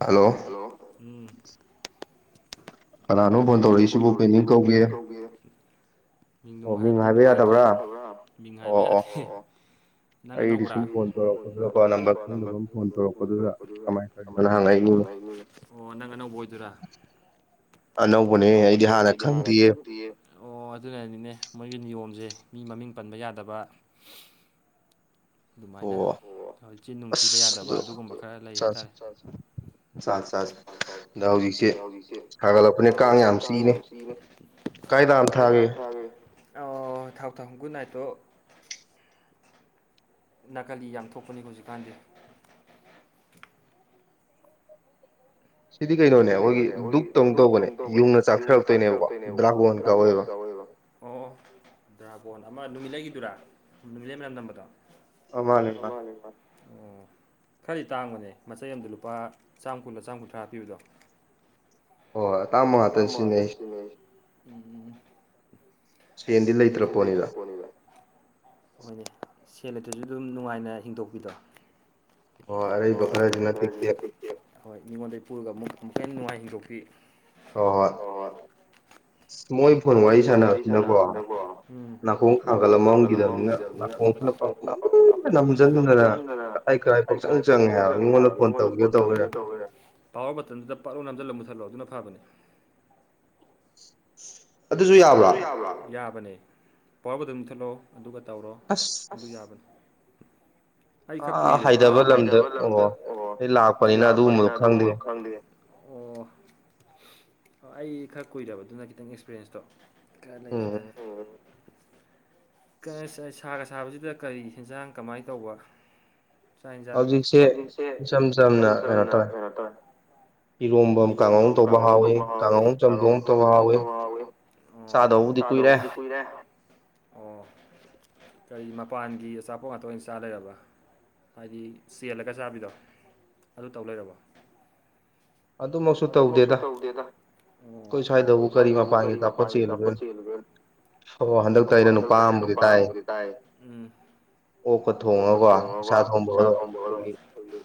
ꯍꯥꯜꯂꯣ hello ꯎꯝ ꯀꯅꯥꯅꯣ ꯕꯣꯟ ꯇꯧꯔꯛꯏꯁꯤꯕꯣ ꯀꯩ ꯃꯤꯡ ꯀꯧꯒꯦ ꯒꯦ ꯃꯤꯡ ꯅꯨꯡ ꯍꯥꯏꯕꯗꯤ ꯅꯨꯡꯉꯥꯏꯇ꯭ꯔꯦ ꯃꯤꯡ ꯍꯥꯏꯕ ꯌꯥꯗꯦ ꯅꯪ ꯑꯅꯧꯕꯔꯥ ꯑꯩꯗꯤ ꯁꯨꯝ ꯐꯣꯟ ꯇꯧꯔꯛꯄꯗꯨꯗ ꯅꯝꯕ꯭ꯔ ꯈꯪꯗꯕ ꯑꯃ ꯇꯧꯔꯛꯄꯗꯨꯗ ꯀꯃꯥꯏ ꯇꯧꯕꯅꯣꯅ ꯍꯪꯉꯛꯏꯅꯤꯅꯦ ꯑꯣ ꯅꯪ ꯑꯅꯧꯕ ꯑꯣꯏꯗꯣꯏꯔꯥ ꯑꯅꯧꯕꯅꯦ ꯑꯩꯗꯤ ꯍꯥꯟꯅ ꯈꯪꯗꯤꯌꯦ ꯑꯣ ꯑꯗꯨꯅꯅꯤꯅꯦ ꯃꯣꯏꯒꯤ ꯅꯤꯌꯣꯝꯖ‌ꯦ ꯃꯤ ꯃꯃꯤꯡ ꯄꯟꯕ ꯌꯥꯗꯕ꯫ ꯑꯗꯨꯃꯥꯏꯅ ꯆꯤꯟ ꯅꯨꯡꯊꯤꯕ ꯌꯥꯗꯕ ꯑꯗꯨꯒꯨꯝꯕ ꯈꯔ ꯂꯩ ꯍꯥꯏꯇꯥꯔꯦ꯫ ꯆꯥ ꯆꯥ ꯗꯥꯎ ꯍꯧꯖꯤꯛꯁꯦ ꯁꯥꯒꯠꯂꯛꯄꯅꯦ ꯀꯥꯡ ꯌꯥꯝ ꯆꯤꯛꯏꯅ‌ꯦ꯫ ꯀꯥꯡ ꯍꯤꯗꯥꯛ ꯑꯝꯊꯥꯔꯨꯏꯒ‌ꯦ꯫ ꯑꯩ ꯊꯥꯎ ꯊꯥꯎ ꯒꯨꯠꯅꯥꯏꯇꯣ꯫ ꯅꯥꯀꯂꯤ ꯌꯥꯝꯊꯣꯛꯄꯅꯤꯀꫭ ꯍꯧꯖꯤꯛꯀꯥꯟꯗꯤ꯫ ꯁꯤꯗꯤ ꯀꯩꯅꯣꯅꯦ ꯑꯈꯣꯏꯒꯤ ꯗꯨꯛ ꯇꯧ ꯇꯧꯕꯅꯦ ꯌꯨꯡꯅ ꯆꯥꯛꯊꯔꯛꯇꯣꯏꯅꯦꯕꯀꫭ ꯗ꯭ꯔꯥꯒꫭꯟ ꯀꯧꯋꯦꯕ꯫ ꯑꯣ ꯗ꯭ꯔꯥꯕꯣꯟ ꯑꯃ ꯅꯨꯃꯤꯠ ꯂꯩꯒꯤꯗꯨꯔꯥ ꯅꯨꯃꯤꯠ ꯂꯩ ꯃꯅꯝ ꯅꯝꯕꯗꯣ꯫ ꯑꯧ ꯃꯥꯅꯤ ꯃꯥ꯫ ꯑꯣ ꯈꯔꯗꯤ ꯇꯥꯡꯕꯅꯦ ꯃꯆꯩ ꯑꯃꯗ ꯂꯨꯄꯥ ꯆꯥꯝ ꯀꯨꯟꯂ ꯆꯥꯝ ꯀꯨꯟꯊ꯭ꯔꯥꯔ ꯄꯤꯕꯗꯣ꯫ ꯍꫭꯏ ꯑꯇꯥꯡꯕ ꯉꯥꯛꯇꯅꯤ ꯁꯤꯟꯅꯔꯤꯁꯤ ꯎꯝ ꯎꯝ ꯎꯝ꯫ ꯁ‌ꯦꯟꯗꯤ ꯂꯩꯇ꯭ꯔꯥ ꯄꫭꯠꯅꯤꯗ ꯍꯣꯏꯅꯦ ꯁꯦꯜ ꯑꯗꯨ ꯅꯨꯡꯉꯥꯏꯅ ꯍꯤꯡꯗꯣꯛꯄꯤꯗꯣ꯫ ꯑꯣ ꯑꯔꯩꯕꯥ ꯈꯔꯅ ꯇ‌ꯦꯛ‌ ꯇ‌ꯦꯛ ꯍꯣꯏ ꯃꯤꯉꯣꯟꯗꯒꯩ ꯄꯨꯔꯒ ꯑꯃꯨꯛ ꯑꯃꯨꯛꯀ ꯍ‌ꯦꯟ ꯅꯨꯡꯉꯥꯏ ꯍꯤꯡꯗꯣꯛꯄꯤ꯫ ꯍꯣꯏ ꯍꯣꯏ꯫ ꯫ ꯃꯣꯏ ꯐꫭꯟ ꯋꯥꯔꯤ ꯁꯥꯟꯅꯕꯁꯤꯅꯀꯣ ꯎꯝ ꯅꯥꯀꯣꯡ ꯊꯥꯒꯜꯂ ꯃꯝꯒꯤꯗꯝꯅꯤꯅ ꯇꯠꯂ‌ꯦ꯫ ꯅ ꯅꯝꯁꯤꯟꯗꯅ ꯀꯥꯏ ꯀꯔꯥꯏ ꯄꯥꯎꯆꯪ ꯆꯪꯉꯦꯕ ꯃꯤꯉꯣꯟꯗ ꯐꯣꯟ ꯇꯧꯖ꯫ ꯄꯋꯥꯔ ꯕꯇꯟꯗꯨꯗ ꯄꯠꯂꯣ ꯅꯝꯖꯤꯜꯂ ꯃꯨꯊꯠꯂꯣ ꯑꯗꯨꯅ ꯐꯕꯅꯦ꯫ ꯑꯗꯨꯁꯨ ꯌꯥꯌ꯭ꯔꫭ ꯌꯥꯕꯅꯦ ꯄꯋꯔ ꯕꯇꯟ ꯃꯊꯠꯂꯣ ꯑꯗꯨꯒ ꯇꯧꯔꯣ꯫ ꯑꯁ꯫ ꯑꯗꯨ ꯌꯥꯕꯅꯤ꯫ ꯑꯩ ꯈꯛ ꯀꯨꯏꯔꯦ ꯑꯥ ꯍꯩꯗꯕ ꯂꯝꯗ ꯑꯣ ꯑꯩ ꯂꯥꯛꯄꯅꯤꯅ ꯑꯗꯨꯒꯨꯝꯕꯗꯨ ꯈꯪꯗꯦ꯫ ꯑꯣ ꯑꯩ ꯈꯔ ꯀꯨꯏꯔꯕꯗꯨꯅ ꯈꯤꯇꯪ ꯑꯦꯛꯁꯄꯤꯔꯤꯌꯦꯟꯁꯇꯣ꯫ ꯀꯔ ꯂꯩꯔꯗ꯫ ꯀꯁ ꯁꯥꯒ ꯁꯥꯕꯁꯤꯗ ꯀꯔꯤ ꯍꯦꯟꯖꯥꯡ ꯀꯃꯥꯏꯟ ꯇꯧꯕ꯫ ꯆꯥꯛ ꯌꯦꯟꯁꯥꯡ ꯍꯧꯖꯤꯛꯁꯦ ꯏꯆꯝ ꯆꯝꯅ ꯀꯩꯅꯣ ꯇꯧꯋꯦ꯫ ꯏꯔꯣꯝꯕꯝ ꯀꯥꯡꯉꯧꯑꯝ ꯊꯧꯕ ꯍꯥꯎꯏ ꯀꯥꯡꯉꯧꯑꯝ ꯆꯝꯗꫭꯡꯑꯝ ꯇꯧꯕ ꯍꯥꯎꯏ ꯫ ꯑꯣ ꯆꯥꯗꯧꯕꯨꯗꯤ ꯀꯨꯏꯔꯦ꯫ ꯑꯣ ꯀꯔꯤ ꯃꯄꯥꯟꯒꯤ ꯑꯆꯥꯄꯣꯠ ꯉꯥꯛꯇ ꯑꯣꯏꯅ ꯆꯥ ꯂꯩꯔꯕ꯫ ꯍꯥꯏꯗꯤ ꯆꯦꯜꯂꯒ ꯆꯥꯕꯤꯗꯣ ꯑꯗꯨ ꯇꯧ ꯂꯩꯔꯕꯣ꯫ ꯑꯗꯨꯃꯛꯁꯨ ꯇꯧꯗꯦꯗ꯫ ꯑꫭ ꯈꫭꯏ ꯁꯨꯋꯥꯏꯗꯕꯨ ꯀꯔꯤ ꯃꯄꯥꯟꯒꯤ ꯑꯆꯥꯄꫭꯠ ꯆ‌ꯦꯜꯂꯨꯗꫭꯏꯅꫭ꯫ ꯑꯣ ꯍꯟꯗꯛꯇ ꯑꯩꯅ ꯅꯨꯄꯥ ꯑꯝꯕꯨꯗꯤ ꯇꯥꯏ꯫ ꯑꯣꯀ ꯊꯣꯡꯉꯒꯀꫭ ꯁꯥ ꯊꫭꯡꯕ ꯑꫭꯏꯔꫭ ꯈꫭꯏꯒꯤ꯫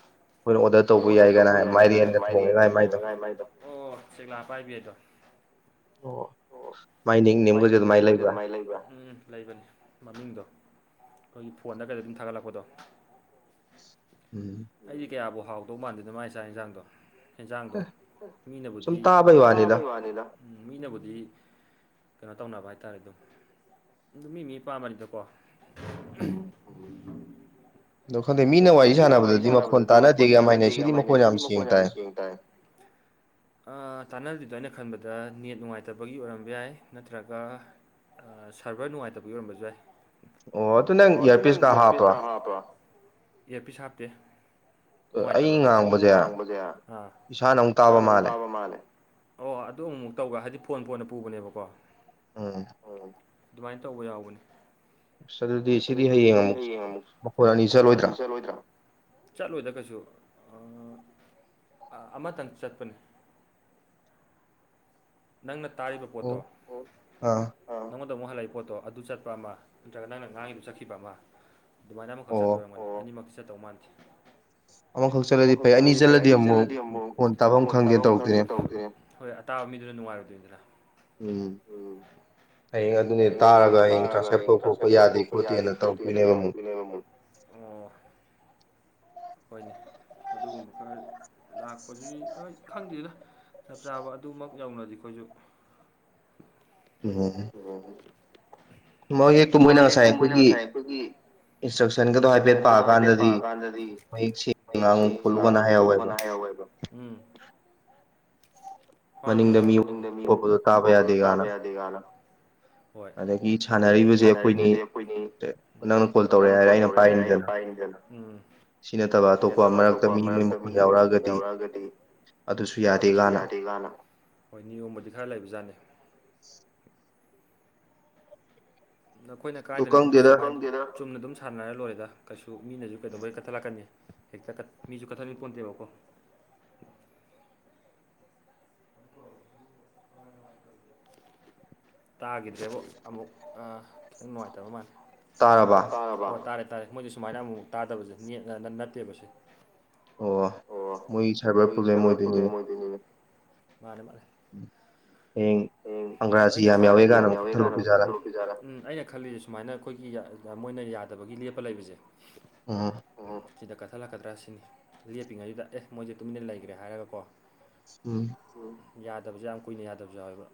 ꯑꯈꯣꯏ ꯑꯣꯔꯗꯔ ꯇꯧꯕ ꯌꯥꯏꯒꯅ ꯃꯥꯏꯔꯦꯟ ꯊꯣꯡꯉ‌ꯦꯒ ꯍꯥꯏ ꯃꯥꯏꯗꯣ ꯑꫭ ꯆ‌ꯦꯛꯂ ꯄꯥꯏꯕꯤꯗꫭ꯫ ꯑꯣ꯫ ꯃꯥꯏ ꯅꯤꯛ ꯅ‌ꯦꯝꯒꯁꯦ ꯑꯗꯨꯃꯥꯏꯅ ꯂꯩꯕ꯭ꯔꯥ ꯎꯝ ꯂꯩꯕꯅꯤ꯫ ꯃꯃꯤꯡꯗꯣ ꯑꯈꯣꯏꯒꯤ ꯐꯣꯟꯗ ꯀꯩꯗ ꯑꯗꯨꯝ ꯊꯥꯒꯠꯂꯛꯄꯗꯣ꯫ ꯎꯝ꯫ ꯑꯩꯗꯤ ꯀꯌꯥꯕꯨ ꯍꯥꯎꯗꯧ ꯃꯥꯟꯗꯦꯗ ꯃꯥꯒꯤ ꯆꯥꯛ ꯌꯦꯟꯁꯥꯡꯗꯣ꯫ ꯍꯦꯟꯖꯥꯡꯗꯣ ꯃꯤꯅꯕꯨꯗꯤ ꯁꯨꯝ ꯇꯥꯕꯩ ꯋꯥꯅꯤꯅ ꯎꯝ ꯃꯤꯅꯕꯨꯗꯤ꯫ ꯀꯩꯅꯣ ꯇꯧꯅꯕ ꯍꯥꯏꯇꯥꯔꯦ ꯑꯗꯨꯝ ꯃꯤ ꯃꯤ ꯄꯥꯝꯕꯅꯤꯗꯀꯣ꯫ ꯫ ꯑꯗꫭ ꯈꯪꯗ‌ꯦ ꯃꯤꯅ ꯋꯥꯔꯤ ꯁꯥꯟꯅꯕꯗꯗꯤ ꯃꯈꯣꯟ ꯇꯥꯟꯅꯗꯦꯒ ꯑꯝꯍꯥꯏꯅꯩ ꯁꯤꯗꯤ ꯃꯈꯣꯟ ꯌꯥꯝ ꯁꯦꯡ ꯇꯥꯏ꯫ ꯫ ꯑꯥ ꯇꯥꯟꯅꯗꯕꯤꯗꯣ ꯑꯩꯅ ꯈꯟꯕꯗ ꯅꯦꯠ ꯅꯨꯡꯉꯥꯏꯇꯕꯒꯤ ꯑꯣꯏꯔꯝꯕ ꯌꯥꯏ ꯅꯠꯇ꯭ꯔꯒ꯫ ꯁꯥꯔꯚꯔ ꯅꯨꯡꯉꯥꯏꯇꯕꯒꯤ ꯑꯣꯏꯔꯝꯕꯁꯨ ꯌꯥꯏ ꯑꯣ ꯑꯗꯨ ꯅꯪ ꯏꯌꯥꯔꯄꯤꯁꯇ ꯍꯥꯞꯄ꯭ꯔꯣ꯫ ꯏꯌꯥꯔꯄꯤꯁ ꯍꯥꯞꯇꯦ꯫ ꯅꯨꯡꯉꯥꯏꯇ꯭ꯔꯥꯕ ꯑꯩ ꯉꯥꯡꯕꯁꯦ ꯑꯥ ꯏꯁꯥꯅ ꯑꯃꯨꯛ ꯇꯥꯕ ꯃꯥꯜꯂꯦ꯫ ꯑꯣ ꯑꯗꯨ ꯑꯃꯨꯃꯨꯛ ꯇꯧꯒ ꯍꯥꯏꯗꯤ ꯐꯣꯟ ꯐꯣꯟꯅ ꯄꯨꯕꯅꯦꯕꯀꯣ꯫ ꯎꯝ ꯑꯣ ꯑꯗꯨꯃꯥꯏꯅ ꯇꯧꯕ ꯌꯥꯎꯕꯅꯦ ꯑꯗꯨꯗꯤ ꯁꯤꯗꯤ ꯍꯌꯦꯡ ꯑꯃꯨꯛ ꯃꯈꯣꯏ ꯑꯅꯤ ꯈꯣꯏ ꯑꯅꯤ ꯆꯠ ꯂꯣꯏꯗ꯭ꯔꯥ ꯆꯠꯂꯣꯏꯗ ꯀꯩꯁꯨ ꯑꯃꯇꯪ ꯆꯠꯄꯅꯦ ꯅꯪꯅ ꯇꯥꯔꯤꯕ ꯄꯣꯠꯇꯣ ꯅꯪꯉꯣꯟꯗ ꯑꯃꯨꯛ ꯍꯜꯂꯛꯏ ꯄꯣꯠꯇꯣ ꯑꯗꯨ ꯆꯠꯄ ꯑꯃ ꯅꯠꯇ꯭ꯔꯒ ꯅꯪꯅ ꯉꯥꯡꯉꯤꯗꯨ ꯆꯠꯈꯤꯕ ꯑꯃ ꯑꯗꯨꯃꯥꯏꯅ ꯑꯃꯈꯛ ꯆꯠꯇꯣꯏ ꯑꯣꯏꯔꯝꯒꯅꯤ ꯑꯅꯤꯃꯛꯇꯤ ꯆꯠꯇꯧ ꯃꯥꯟꯗꯦ ꯑꯃꯈꯛ ꯆꯠꯂꯗꯤ ꯐꯩꯌꯦ ꯑꯅꯤ ꯆꯠꯂꯗꯤ ꯑꯃꯨꯛ ꯐꯣꯟ ꯇꯥꯕꯝ ꯈꯪꯗꯦ ꯇꯧꯗꯣꯏꯅꯦ ꯍꯣꯏ ꯑꯇꯥꯕ ꯃꯤꯗꯨꯅ ꯅꯨꯡꯉꯥꯏꯔꯣꯏꯗꯣꯏꯅꯤꯅ ꯎꯝ ꯎꯝ ꯍꯌꯦꯡ ꯑꯗꯨꯗꯤ ꯇꯥꯔꯒ [unintelligible] ꯈꯣꯠꯄ ꯌꯥꯗꯦ ꯈꯣꯠꯇꯦꯅ ꯇꯧꯔꯛꯛꯇꯣꯏꯅꯦꯕ ꯑꯃꯨꯛ ꯍꯣꯏꯅꯦ ꯑꯗꯨꯒꯨꯝꯕ ꯈꯔ ꯂꯥꯛꯄꯁꯤꯗꯤ ꯍꯣꯏ ꯈꯪꯗꯦꯅ ꯆꯞ ꯆꯥꯕ ꯑꯗꯨꯃꯛ ꯌꯧꯅꯗꯤ ꯑꯩꯈꯣꯏꯁꯨ [unintelligible] ꯑꯣ [unintelligible] ꯉꯁꯥꯏ ꯑꯩꯈꯣꯏꯒꯤ ꯏꯟꯁꯇ꯭ꯔꯛꯁꯟꯒꯗꯣ ꯍꯥꯏꯐꯦꯠ ꯄꯥꯀꯥꯟꯗꯗꯤ ꯃꯌꯦꯛꯁꯦꯡꯅ ꯉꯥꯡꯉꯨ ꯈꯣꯠꯂꯨꯀꯅ ꯍꯥꯏꯍꯧꯌꯦꯕ ꯎꯝ [unintelligible] ꯌꯥꯗꯦꯒꯅ ꯍꯣꯏ ꯑꯗꯒꯤ ꯁꯥꯟꯅꯔꯤꯕꯁꯦ ꯑꯩꯈꯣꯏꯅꯤ ꯅꯪꯅ ꯀꯣꯜ ꯇꯧꯔꯑꯦ ꯍꯥꯏꯔꯦ ꯑꯩꯅ ꯄꯥꯏꯔꯤꯅꯤꯗꯅ ꯎꯝ ꯁꯤ ꯅꯠꯇꯕ ꯑꯇꯣꯞꯄ ꯃꯔꯛꯇ ꯃꯤ ꯑꯃ ꯃꯈꯣꯟ ꯌꯥꯎꯔꯛꯑꯒꯗꯤ ꯑꯗꯨꯁꯨ ꯌꯥꯗꯦꯒꯥꯅ [unintelligible] ꯍꯣꯏ ꯅꯤꯌꯣꯝꯕꯗꯤ ꯈꯔ ꯂꯩꯕꯖꯥꯠꯅꯤ ꯅꯈꯣꯏꯅ ꯀꯥꯏꯗꯅ ꯑꯗꯨꯝ ꯆꯨꯝꯅ ꯑꯗꯨꯝ ꯁꯥꯟꯅꯔ ꯂꯣꯏꯔꯦꯗ ꯀꯩꯁꯨ ꯃꯤꯅꯁꯨ ꯀꯩꯗꯧꯕꯩ ꯀꯠꯊꯠꯂꯛꯀꯅꯤ ꯍꯦꯛꯇ ꯃꯤꯁꯨ ꯀꯠꯊꯠꯅꯝꯡ ꯄꯣꯟꯗꯦꯕꯀꯣ [inaudible] ꯇꯥꯈꯤꯗ꯭ꯔꯦꯕꯣ ꯑꯃꯨꯛ ꯈꯤꯇꯪ ꯅꯨꯡꯉꯥꯏꯇꯕ ꯃꯥꯜꯂꯦ ꯇꯥꯔꯦ ꯇꯥꯔꯦ ꯃꯣꯏꯗꯤ ꯁꯨꯃꯥꯏꯅ ꯑꯃꯨꯃꯨꯛ ꯇꯥꯗꯕꯁꯦ ꯅꯦꯠꯅ ꯅꯠꯇꯦꯕ ꯁꯤ ꯑꯣ ꯃꯣꯏ ꯁꯥꯏꯕꯔ ꯄꯣꯕꯂꯦꯝ ꯑꯣꯏꯗꯣꯏꯅꯤꯅꯦ ꯃꯥꯅꯦ ꯃꯥꯅꯦ [inaudible] ꯎ ꯑꯗꯣ ꯑꯩꯅ [unintelligible] ꯌꯥꯝ ꯌꯥꯎꯔꯦ ꯀꯥꯟꯅ ꯑꯃꯨꯛ ꯀꯛꯊꯠ ꯇꯣꯏ ꯖꯥꯔꯥ ꯎꯝ ꯑꯩꯅ ꯈꯜꯂꯤ ꯁꯨꯃꯥꯏꯅ ꯑꯩꯈꯣꯏꯒꯤ ꯃꯣꯏꯅ ꯌꯥꯗꯕꯒꯤ ꯂꯦꯞꯄ ꯂꯩꯕꯁꯦ ꯎꯝ ꯑꯣ ꯁꯤꯗ ꯀꯠꯊꯠꯂꯛꯀꯗ꯭ꯔꯥ ꯁꯤꯅꯤ ꯂꯦꯞꯄꯤꯉꯩꯁꯤꯗ ꯑꯦ ꯃꯣꯏꯁꯦ ꯇꯨꯃꯤꯟꯅ ꯂꯩꯈ꯭ꯔꯦ ꯍꯥꯏꯔꯒꯀꯣ ꯎꯝ ꯑꯝ ꯌꯥꯗꯕꯁꯦ ꯌꯥꯝ ꯀꯨꯏꯅ ꯌꯥꯗꯕꯁꯨ ꯌꯥꯎꯋꯦꯕ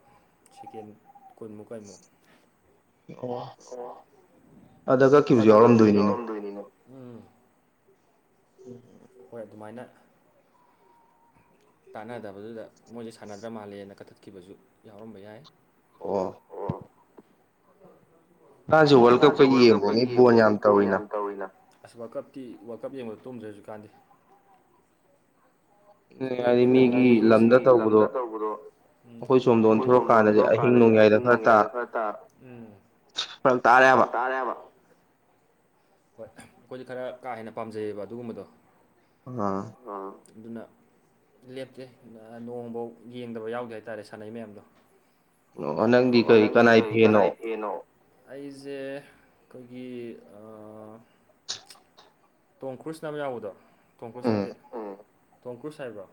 ꯁꯤꯦꯀꯦꯟ ꯀꯨꯟꯃꯨꯛ ꯀꯥꯏꯃꯨꯛ ꯑꯣ ꯑꯗ ꯀꯛꯈꯤꯕꯁꯨ ꯌꯥꯎꯔꯝꯗꯣꯏꯅꯤꯉꯣ [inaudible] ꯍꯣꯏ ꯑꯗꯨꯃꯥꯏꯅ ꯇꯥꯟꯅꯗꯕꯗꯨꯗ ꯃꯣꯏꯁꯦ ꯁꯥꯟꯅꯗ꯭ꯔ ꯃꯥꯜꯂꯦꯅ ꯀꯛꯊꯠꯈꯤꯕꯁꯨ ꯌꯥꯎꯔꯝꯕ ꯌꯥꯏ ꯑꯣ ꯍꯥꯥꯁꯨ ꯋꯥꯔꯜ ꯀꯄ ꯀ ꯌꯦꯡꯕ꯭ꯔꯣ ꯃꯤ ꯖꯣꯜ ꯌꯥꯝ ꯇꯧꯏꯅ ꯑꯁ ꯋꯥꯜ ꯀꯞꯇꯤ ꯋꯥꯜ ꯀꯞ ꯌꯦꯡꯕꯗ ꯇꯨꯗ꯭ꯔꯦ ꯍꯧꯖꯤꯛꯀꯥꯟꯗꯤ [unintelligible] ꯒꯤ ꯂꯝꯗ ꯇꯧꯕꯗꯣ ꯑꯩꯈꯣꯏ ꯁꯣꯝꯗ ꯑꯣꯟ ꯍꯧꯔꯛ ꯀꯥꯟꯗꯗꯤ ꯑꯍꯤꯡ ꯅꯣꯡꯌꯥꯏꯗ ꯈꯔ ꯇꯥ ꯑꯁ ꯐꯔꯛ ꯇꯥꯔꯦꯕ ꯍꯣꯏ ꯑꯩꯈꯣꯏꯗꯤ ꯈꯔ ꯀꯥ ꯍꯦꯟꯅ ꯄꯥꯝꯖꯩꯌꯦꯕ ꯑꯗꯨꯒꯨꯝꯕꯗꯣ ꯑꯥ ꯑꯥ ꯑꯗꯨꯅ ꯂꯦꯞꯇꯦ ꯅꯣꯡꯕꯧ ꯌꯦꯡꯗꯕ ꯌꯥꯎꯗꯦ ꯍꯥꯏꯇꯥꯔꯦ ꯁꯥꯟꯅꯩ ꯃꯌꯥꯝꯗꯣ ꯑꯣ ꯑꯣ ꯅꯪꯗꯤ ꯀꯔꯤ ꯀꯅꯥꯏ ꯐꯦꯅꯣ ꯑꯩꯖꯦ ꯈꯣꯏꯒꯤ ꯑ ꯑꯥ ꯇꯣꯡ ꯈ꯭ꯔꯨꯁꯅ ꯑꯃ ꯌꯥꯎꯕꯗꯣ ꯇꯣꯡ ꯈ꯭ꯔꯨꯁ ꯅꯠꯇꯦ ꯇꯣꯡꯀꯨꯔꯁ ꯍꯥꯏꯕ꯭ꯔ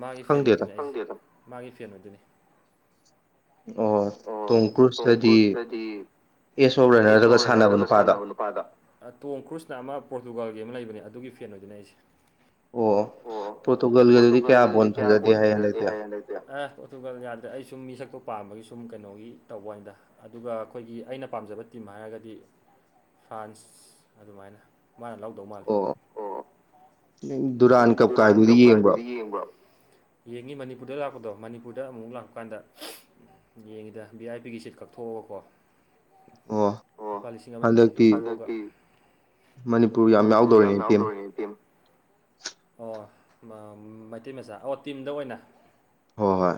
ꯃꯥꯒꯤ ꯐꯦꯟ ꯑꯣꯏꯗꯅꯦ ꯑꯩ ꯃꯥꯒꯤ ꯐꯦꯟ ꯑꯣꯏꯗꯅꯤ ꯑꯣ ꯇꯣꯡꯀꯔꯨꯁ ꯍꯥꯏꯗꯤ ꯑꯦꯁꯣꯔ ꯂꯩꯅꯔꯒ ꯁꯥꯟꯅꯕꯅ ꯑ ꯇꯣꯡꯀ꯭ꯔꯨꯁꯅ ꯑꯃ ꯄꯣꯔꯇꯨꯒꯥꯜꯒꯤ ꯑꯃ ꯂꯩꯕꯅꯦ ꯑꯗꯨꯒꯤ ꯐꯦꯟ ꯑꯣꯏꯗꯣꯏꯅꯦ ꯑꯩꯁꯦ ꯑꯣ ꯄ꯭ꯔꯣꯇꯨꯒꯣꯜꯒꯤꯗꯗꯤ ꯀꯌꯥ ꯕꯣꯟ ꯐꯖꯗꯦ ꯍꯥꯏ ꯍꯟꯗꯛ ꯑ ꯄꯣꯔꯇꯨꯒꯜ ꯌꯥꯗꯦ ꯑꯩ ꯁꯨꯝ ꯃꯤꯁꯛꯇꯣꯥ ꯄꯥꯝꯕꯒꯤ ꯁꯨꯝ ꯀꯩꯅꯣꯒꯤ ꯇꯧꯕ ꯋꯥꯅꯤꯗ ꯑꯗꯨꯒ ꯑꯈꯣꯏꯒꯤ ꯑꯩꯅ ꯄꯥꯝꯖꯕ ꯇꯤꯝ ꯍꯥꯏꯔꯒꯗꯤ ꯐ꯭ꯔꯥꯟꯁ ꯑꯗꯨꯃꯥꯏꯅ ꯃꯥꯅ ꯂꯧꯗꯧ ꯃꯥꯜꯂꯦ ꯎ ꯗꯨꯔꯥꯟ ꯀꯞ ꯀꯥꯏꯗꯨꯗꯤ ꯌꯦꯡꯕ꯭ꯔꯣ ꯌꯦꯡꯉꯤ ꯃꯅꯤꯄꯨꯔꯗ ꯂꯥꯛꯄꯗꯣ ꯃꯅꯤꯄꯨꯔꯗ ꯑꯃꯨꯛ ꯂꯥꯛꯄ ꯀꯥꯟꯗ ꯌꯦꯡꯉꯤꯗ ꯚꯤ ꯑꯥꯏ ꯄꯤꯒꯤ ꯁꯤꯠ ꯀꯛꯊꯣꯛꯑꯒꯀꯣ ꯑꯣ ꯂꯨꯄꯥ ꯂꯤꯁꯤꯡ ꯑꯃꯅꯤ ꯊꯤꯗꯣꯛꯄ ꯃꯅꯤꯄꯨꯔ ꯌꯥꯝ ꯌꯥꯎꯗꯧꯔꯤꯅꯤ ꯇꯤꯝ ꯑꯣ ꯃꯩꯇꯩ ꯃꯆꯥ ꯑꯣ ꯇꯤꯝꯗ ꯑꯣꯏꯅ ꯍꯣ ꯍꯣꯏ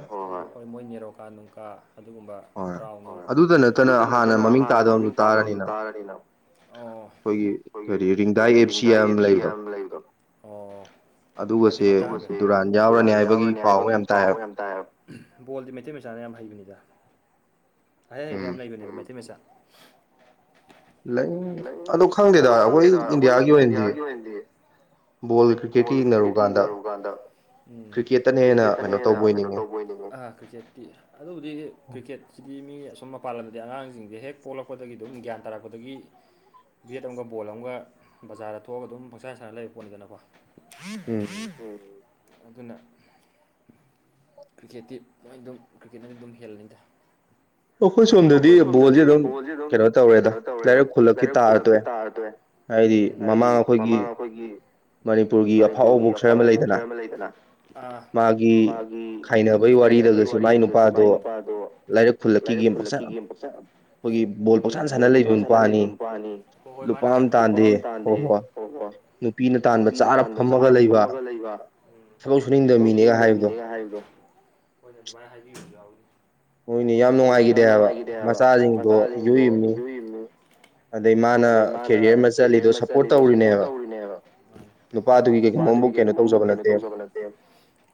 ꯍꯣꯏ ꯃꯣꯏ ꯅꯦꯔꯣꯀꯥ ꯅꯨꯡꯀꯥ ꯑꯗꯨꯒꯨꯝꯕ ꯑꯣ ꯑꯗꯨꯇ ꯅꯠꯇꯅ ꯍꯥꯟꯅ ꯃꯃꯤꯡ ꯇꯥꯗꯕ ꯁꯨ ꯇꯥꯔꯅꯤꯅ ꯈꯣꯏꯒꯤ ꯀꯔꯤ ꯔꯤꯡꯗꯥ ꯑꯦꯞꯁꯤ ꯑꯦꯞ ꯁꯤ ꯍꯥꯏꯕ ꯑꯝ ꯂꯩꯕꯗꯣ ꯑꯣ ꯑꯗꯨꯒꯁꯤ ꯗꯨꯔꯥꯟ ꯌꯥꯎꯔꯅꯤ ꯍꯥꯏꯕꯒꯤ ꯄꯥꯎ ꯕꯣꯜꯗꯤ ꯃꯩꯇꯩ ꯃꯆꯥꯅ ꯌꯥꯝ ꯍꯩꯕꯅꯤꯗ ꯍꯩ ꯍꯩꯕꯌꯥꯝ ꯌꯥꯝ ꯂꯩꯕꯅꯦꯕ ꯃꯩꯇꯩ ꯃꯆꯥ ꯅꯪ ꯑꯗꯨ ꯈꯪꯗꯦꯗ ꯑꯩꯈꯣꯏ ꯏꯟꯗꯤꯌꯥꯒꯤ ꯑꯣꯏꯅꯗꯤ ꯕꯣꯜꯒ ꯀꯔꯤꯀꯦꯠꯀꯥ ꯌꯦꯡꯅꯔꯨꯕ ꯀꯥꯟꯗ ꯎꯝ ꯀ꯭ꯔꯤꯛꯀꯦꯠꯇꯅ ꯍꯦꯟꯅ ꯀꯩꯅꯣ ꯇꯧꯕꯣꯏ ꯅꯤꯡ ꯑꯥ ꯀꯔꯤꯀꯦꯠꯇꯤ ꯑꯗꯨꯕꯨꯗꯤ ꯀ꯭ꯔꯤꯛꯀꯦꯠꯁꯤꯗꯤ ꯃꯤ ꯑꯁꯨꯝ ꯃꯄꯥꯟ ꯂꯝꯗ ꯑꯉꯥꯡꯁꯤꯡꯁꯦ ꯍꯦꯛ ꯄꯣꯛꯂꯛꯄꯗꯒꯤ ꯑꯗꯨꯝ ꯒ꯭ꯌꯥꯟ ꯇꯥꯔꯛꯄꯗꯒꯤ ꯕꯦꯠ ꯑꯃꯒ ꯕꯣꯜ ꯑꯃꯒ ꯕꯖꯥꯔꯗ ꯊꯣꯛꯑꯒ ꯑꯗꯨꯝ ꯄꯪꯁꯥ ꯁꯥꯔ ꯂꯩꯕ ꯄꯣꯠꯅꯤꯗꯅꯀꯣ ꯎꯝ ꯎꯝ ꯑꯗꯨꯅ ꯀ꯭ꯔꯤꯛꯀꯦꯠꯇꯤ ꯃꯣꯏ ꯑꯗꯨꯝ ꯀ꯭ꯔꯤꯀꯦꯠꯇꯅꯗꯤ ꯑꯗꯨꯝ ꯍꯦꯜꯂꯅꯤꯗ ꯑꯩꯈꯣꯏ ꯁꯣꯝꯗꯗꯤ ꯕꯣꯜꯁꯦ ꯑꯗꯨꯝ ꯀꯩꯅꯣ ꯇꯧꯔꯦꯗ ꯂꯥꯏꯔꯛ ꯈꯨꯨꯜꯂꯛꯈꯤ ꯇꯥꯔꯇꯣꯛꯑꯦ ꯎꯝ ꯍꯥꯏꯗꯤ ꯃꯃꯥꯡ ꯑꯩꯈꯣꯏꯒꯤ ꯃꯅꯤꯄꯨꯔꯒꯤ ꯑꯐꯥꯎꯕ ꯕꯣꯛꯁꯔ ꯑꯃ ꯂꯩꯗꯅ ꯃꯥꯒꯤ ꯈꯥꯏꯅꯕꯩ ꯋꯥꯔꯤꯗꯒꯁꯨ ꯃꯥꯏ ꯅꯨꯄꯥꯗꯣ ꯂꯩꯔꯛ ꯈꯨꯨꯜꯂꯛꯀꯤ ꯒꯦꯝ ꯄꯛꯁꯠ ꯈꯣꯏꯒꯤ ꯕꯣꯜ ꯄꯁꯥ ꯁꯥꯟꯅ ꯂꯩꯕ ꯅꯨꯄꯥꯅꯤ ꯂꯨꯄꯥꯝ ꯑꯝ ꯇꯥꯟꯗꯦ ꯑꯣ ꯅꯨꯄꯤꯅ ꯇꯥꯟꯕ ꯆꯥꯔ ꯐꯝꯃꯒ ꯂꯩꯕ ꯊꯕꯛ ꯁꯨꯅꯤꯡꯗꯕ ꯃꯤꯅꯦꯒ ꯍꯥꯏꯕꯗꯣ ꯍꯣꯏꯅꯦ ꯗꯨꯃꯥꯏ ꯍꯥꯏꯕꯤꯕꯖꯨ ꯌꯥꯎꯏ ꯍꯣꯏꯅꯦ ꯌꯥꯝ ꯅꯨꯡꯉꯥꯏꯒꯤꯗꯦ ꯍꯥꯏꯕ ꯃꯆꯥꯖꯤꯡꯗꯣ [unintelligible] ꯌꯦꯡꯉꯨ ꯑꯗꯩ ꯃꯥꯅ ꯀꯦꯔꯤꯌꯔ ꯑꯃ ꯆꯠꯂꯤꯗꯣ ꯁꯞꯄꯣꯔꯠ ꯇꯧꯔꯤꯅꯦꯕ ꯅꯨꯄꯥꯗꯨꯒꯤ ꯀꯅꯥꯒꯨꯝꯕ ꯑꯝꯕꯧ ꯀꯩꯅꯣ ꯇꯧꯖꯕ ꯅꯠꯇꯦ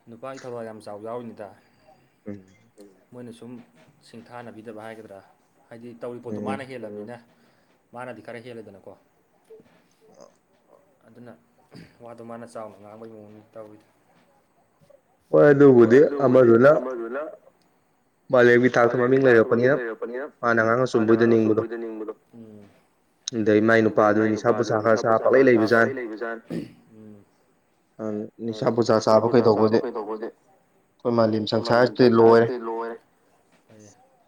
ꯅꯨꯄꯥꯒꯤ ꯊꯕꯥꯜ ꯌꯥꯝ ꯆꯥꯎ ꯌꯥꯎꯔꯤꯅꯤꯗ ꯀꯩ ꯃꯣꯏꯅ ꯁꯨꯝ ꯁꯤꯡꯊꯥꯅꯕꯤꯗꯕ ꯍꯥꯏꯒꯗ꯭ꯔꯥ ꯍꯥꯏꯗꯤ ꯇꯧꯔꯤ ꯄꯣꯠꯇꯣ ꯃꯥꯅ ꯍꯦꯜꯂꯕꯅꯤꯅ ꯃꯥꯅꯗꯤ ꯈꯔ ꯍꯦꯜꯂꯦꯗꯅꯀꯣ ꯑꯗꯨꯅ ꯋꯥꯗꯣ ꯃꯥꯅ ꯆꯥꯎꯅ ꯉꯥꯡꯕꯒꯤ ꯃꯑꯣꯡꯗꯤ ꯇꯧꯋꯤꯗ ꯍꯣꯏ ꯑꯗꯨꯕꯨꯗꯤ ꯑꯃꯗꯨꯅ ꯃꯥꯂꯦꯝꯒꯤ ꯊꯥꯛꯇ ꯃꯃꯤꯡ ꯂꯩꯔꯛꯄꯅꯤꯅ ꯐꯅ ꯉꯥꯡꯉꯥ ꯆꯨꯝꯕꯣꯏꯗ ꯅꯤꯡꯕꯗꯣ ꯑꯗꯩ ꯃꯥꯏ ꯅꯨꯄꯥ ꯑꯗꯨ ꯅꯤꯁꯥ ꯄꯨꯁꯥ ꯈꯔ ꯆꯥ ꯄꯂꯩ ꯂꯩꯕ ꯖꯥꯠꯅꯤ ꯑꯥ ꯅꯤꯁꯥ ꯄꯨꯁꯥ ꯆꯥꯕ ꯀꯩꯗꯧꯕꯗꯦ ꯍꯣꯏ ꯃꯥꯂꯦꯝ ꯁꯪꯁꯥꯔꯁꯤꯗꯤ ꯂꯣꯏꯔꯦ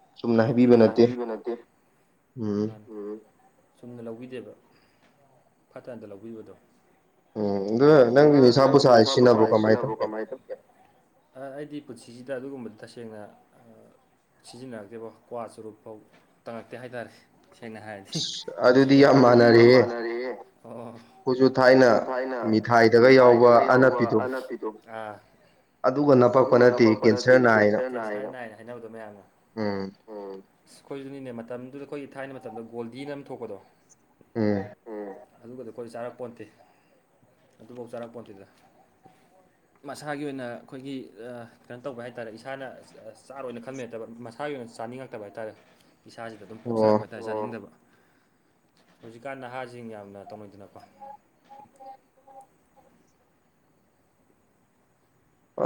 [unintelligible] ꯍꯥꯏꯕꯤꯕ ꯅꯠꯇꯦ ꯎꯝ ꯎ ꯆꯨꯝꯅ ꯂꯧꯕꯤꯗꯦꯕ ꯐꯠꯇꯅꯗ ꯂꯧꯕꯤꯕꯗꯣ ꯎꯝ ꯅꯪ ꯅꯪꯒꯤꯗꯤ ꯅꯪ ꯅꯤꯁꯥ ꯄꯨꯁꯥꯖꯤ ꯁꯤꯖꯤꯟꯅꯕꯔꯣ ꯀꯃꯥꯏ ꯇꯧꯒꯦ ꯑꯥ ꯑꯩꯗꯤ ꯄꯨꯟꯁꯤꯁꯤꯗ ꯑꯗꯨꯒꯨꯝꯕꯗ ꯇꯁꯦꯡꯅ ꯁꯤꯖꯤꯟꯅꯔꯛꯇꯦꯕꯣ ꯀ꯭ꯋꯥ ꯆꯨꯔꯨꯞ ꯐꯥꯎ ꯇꯪꯉꯛꯇꯦ ꯍꯥꯏꯇꯥꯔꯦ ꯁꯦꯡꯅ ꯍꯥꯏꯔꯗꯤ ꯉꯁꯤ ꯑꯗꯨꯗꯤ ꯌꯥꯝ ꯃꯥꯟꯅꯔꯑꯦ ꯑꯣ ꯑꯈꯣꯏꯖꯨ ꯊꯥꯏꯅ ꯃꯤꯊꯥꯏ ꯊꯥꯏꯗꯒ ꯌꯥꯎꯕ ꯑꯅꯄꯤꯗꯣ ꯑꯗꯨꯒ ꯅꯄꯥꯛꯛꯄ ꯅꯠꯇꯦ ꯀꯦꯟꯁꯔ ꯅꯥꯏ ꯅꯥꯅ ꯍꯥꯏꯅꯕꯗꯣ ꯃꯌꯥꯝꯅ ꯑꯣ ꯑꯁ ꯑꯩꯈꯣꯏꯖꯨꯅꯤꯅꯦ ꯃꯇꯝꯗꯨꯗ ꯑꯩꯈꯣꯏꯒꯤ ꯊꯥꯏꯅ ꯃꯇꯝꯗ ꯒꯣꯜꯗꯤꯅ ꯑꯃ ꯊꯣꯛꯄꯗꯣ ꯎꯝ ꯑꯗꯨꯒꯗꯣ ꯑꯩꯈꯣꯏ ꯆꯥꯔꯛꯄꯣꯟꯇꯦ ꯑꯗꯨꯕꯃ ꯆꯥꯔꯛꯄꯣꯟꯇꯦꯗ ꯃꯁꯥꯒꯤ ꯑꯣꯏꯅ ꯑꯩꯈꯣꯏꯒꯤ ꯀꯩꯅꯣ ꯇꯧꯕ ꯍꯥꯏꯇꯥꯔꯦ ꯏꯁꯥꯅ ꯆꯥꯔꯣꯏꯅ ꯈꯟꯕꯩ ꯅꯠꯇꯕ ꯃꯁꯥꯒꯤ ꯑꯣꯏꯅ ꯆꯥꯅꯤꯡꯉꯛꯇꯕ ꯍꯥꯏꯇꯥꯔꯦ ꯏꯁꯥꯖꯤꯗ ꯑꯗꯨꯝ ꯄꯣꯛꯆꯔꯛꯄ ꯍꯥꯏꯇꯥꯔꯦ [unintelligible] ꯍꯧꯖꯤꯛꯀꯥꯟ ꯅꯍꯥꯖꯤꯡ ꯌꯥꯝꯅ ꯇꯧꯅꯩꯗꯅꯀꯣ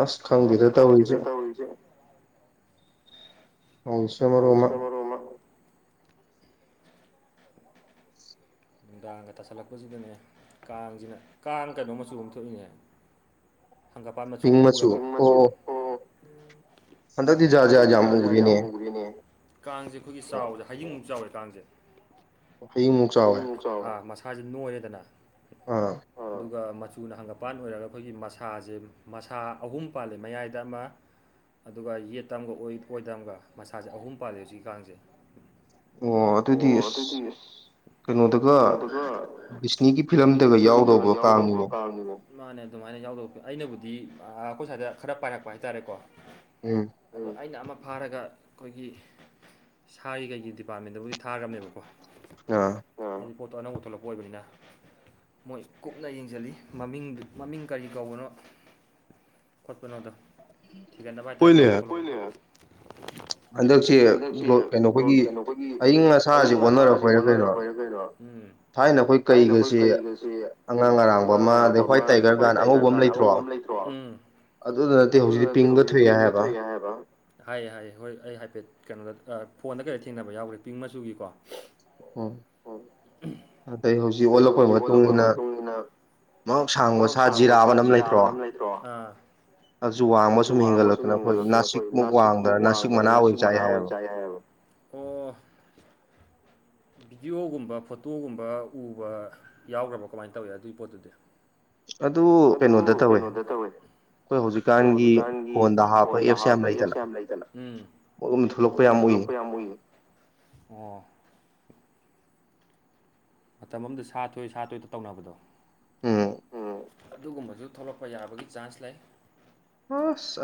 ꯑꯁ ꯈꯪꯗꯦꯗ ꯇꯧꯔꯤꯖꯦ ꯇꯧꯔꯤꯖꯦ ꯍꯧꯖꯤꯁꯤ ꯃꯔꯣꯟꯃꯥ ꯅꯨꯡꯗꯥꯡꯒ ꯇꯥꯁꯜꯂꯛꯄꯁꯤꯗꯅꯦ ꯀꯥꯡꯖꯤꯅ ꯀꯥꯡ ꯀꯩꯅꯣ ꯃꯆꯨ ꯑꯃ ꯊꯣꯛꯏꯅꯦ ꯍꯪꯒꯥꯄꯥꯥꯟ ꯃꯆꯨ ꯎꯔꯕ ꯍꯟꯗꯛꯇꯤ ꯖꯥ ꯖꯦꯥ ꯌꯥꯝ ꯃꯨꯈꯔꯤꯅꯦ ꯀꯥꯡꯁꯦ ꯑꯩꯈꯣꯏꯒꯤ ꯆꯥꯎꯁꯦ ꯍꯖꯤꯡꯃꯨꯛ ꯆꯥꯎꯋꯦ ꯀꯥꯡꯁꯦ ꯍꯌꯤꯡꯃꯨꯛ ꯆꯥꯎꯋꯦ ꯑ ꯃꯁꯥꯁꯦ ꯅꯣꯏꯔꯦꯗꯅ ꯑꯥ ꯑꯗꯨꯒ ꯃꯆꯨꯅ ꯍꯪꯒꯄꯥꯟ ꯑꯣꯏꯔꯒ ꯑꯩꯈꯣꯏꯒꯤ ꯃꯁꯥꯁꯦ ꯃꯁꯥ ꯑꯍꯨꯝ ꯄꯥꯜꯜꯂꯤꯦ ꯃꯌꯥꯏꯗ ꯑꯃ ꯑꯗꯨꯒ ꯌꯦꯠꯇ ꯑꯃꯒ ꯑꯣꯏ ꯑꯣꯏꯗꯕ ꯑꯃꯒ ꯃꯁꯥꯁꯦ ꯑꯍꯨꯝ ꯄꯥꯜꯂꯤ ꯍꯧꯖꯤꯛꯀꯤꯀꯁꯦ ꯑꯣ ꯑꯗꯨꯗꯤꯁ ꯀꯩꯅꯣꯗꯨꯒ ꯀꯩꯅꯣꯗꯒ ꯗꯤꯁꯅꯤꯒꯤ ꯐꯤꯂꯝꯗꯒ ꯌꯥꯎꯗꯧꯕ ꯄꯥꯝꯅꯤꯅ ꯃꯥꯅꯦ ꯑꯗꯨꯃꯥꯏꯅ ꯌꯥꯎꯗꯣꯛ ꯑꯩꯅꯕꯨꯗꯤ ꯑꯩꯈꯣꯏ ꯁ꯭ꯋꯥꯏꯗ ꯈꯔ ꯄꯥꯏꯔꯛꯄ ꯍꯥꯏꯇꯥꯔꯦꯀꯣ ꯎꯝ ꯑꯩꯅ ꯑꯃ ꯐꯥꯔꯒ ꯑꯩꯈꯣꯏꯒꯤ ꯁꯥꯔꯤ ꯀꯩꯒꯤ ꯗꯤꯄꯥꯔꯠꯃꯦꯟꯗꯕꯨ ꯊꯥꯈꯕꯅꯦꯕꯀꯣ ꯑ ꯑꯗꯨ ꯄꯣꯠꯇꯣ ꯑꯅꯧꯕ ꯊꯣꯛꯂꯛꯄ ꯑꯣꯏꯕꯅꯤꯅ ꯃꯣꯏ ꯀꯨꯞꯅ ꯌꯦꯡꯁꯤꯜꯂꯤ ꯃꯃꯤꯡꯗꯨ ꯃꯃꯤꯡ ꯀꯔꯤ ꯀꯧꯕꯅꯣ ꯈꯣꯠꯄꯅꯣꯗ ꯊꯤꯒꯠꯅꯕ ꯍꯥꯏꯇꯥꯔꯦ ꯅꯧꯅ ꯊꯣꯛꯂꯛ ꯍꯟꯗꯛꯁꯦ ꯀꯩꯅꯣ ꯑꯩꯈꯣꯏꯒꯤ ꯑꯏꯪ ꯑꯁꯥꯥꯁ ꯍꯣꯠꯅꯔꯔꯕ ꯑꯣꯏꯔꯦ ꯀꯩꯅꯣ ꯎ ꯍꯥꯏꯅ ꯑꯩꯈꯣꯏ ꯀꯩꯒꯁꯦ ꯑꯉꯥꯡ ꯑꯔꯥꯡꯕ ꯑꯃ ꯑꯗꯩ ꯑꯩꯈꯣꯏ ꯇꯥꯏꯒꯔ ꯒꯥꯔꯗ ꯑꯉꯧꯕ ꯑꯃ ꯂꯩꯇ꯭ꯔꯣ ꯑꯗꯨ ꯑꯗꯨꯗ ꯅꯠꯇꯦ ꯍꯧꯖꯤꯛꯇꯤ ꯄꯤꯡꯒ ꯊꯣꯛꯑꯦ ꯍꯥꯏꯌꯦꯕ ꯍꯥꯏꯌꯦ ꯍꯥꯏꯌꯦ ꯍꯣꯏ ꯑꯩ ꯍꯥꯏꯐꯦꯠ ꯀꯩꯅꯣꯗ ꯐꯣꯟꯗ ꯀꯩꯗ ꯊꯦꯡꯅꯕ ꯌꯥꯎꯈ꯭ꯔꯦ ꯄꯤꯡ ꯃꯆꯨꯒꯤꯀꯣ ꯑꯣꯝ ꯑꯗꯩ ꯍꯧꯖꯤꯛ ꯑꯣꯜꯂꯛꯄ ꯃꯇꯨꯡ ꯏ ꯃꯇꯨꯡꯏꯟꯅ ꯃꯍꯛ ꯁꯥꯡꯕ ꯁꯥ ꯖꯤꯔꯥꯕꯅꯝ ꯂꯩꯇ꯭ꯔꯣ [unintelligible] ꯑꯗꯨ ꯋꯥꯡꯕ ꯁꯨꯝ ꯍꯦꯟꯒꯠꯂꯛꯛꯇꯅ ꯑꯩꯈꯣꯏ ꯅꯥꯁꯤꯛꯃꯨꯛ ꯋꯥꯡꯕ ꯅꯥꯁꯤꯛ ꯃꯅꯥ ꯑꯣꯏ ꯆꯥꯏ ꯍꯥꯏꯌꯦꯕ ꯑꯣ ꯕꯤꯗꯤꯌꯣꯒꯨꯝꯕ ꯐꯣꯇꯣꯒꯨꯝꯕ ꯎꯕ ꯌꯥꯎꯈ꯭ꯔꯕ ꯀꯃꯥꯏꯅ ꯇꯧꯏꯤ ꯑꯗꯨꯒꯤ ꯄꯣꯠꯇꯨꯗꯤ ꯑꯗꯨ ꯀꯩꯅꯣꯗ ꯇꯧꯋꯦ ꯑꯩꯈꯣꯏ ꯍꯧꯖꯤꯛꯀꯥꯟꯒꯤ ꯐꯣꯟꯗ ꯍꯥꯞꯄ ꯑꯦꯞꯁ ꯌꯥꯝ ꯂꯩꯗꯅ ꯃꯔꯗ ꯊꯣꯛꯂꯛꯄ ꯌꯥꯝ ꯎꯏ ꯑꯣ ꯃꯇꯝ ꯑꯃꯗ ꯁꯥ ꯊꯣꯏ ꯁꯥꯇꯣꯏꯗ ꯇꯧꯅꯕꯗꯣ ꯑꯗꯨꯒꯨꯝꯕꯁꯨ ꯊꯣꯛꯂꯛꯄ ꯌꯥꯕꯒꯤ ꯆꯥꯟꯁ ꯂꯩ ꯍꯣꯏꯁ